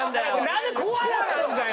なんでコアラなんだよ。